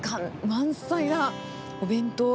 満載なお弁当。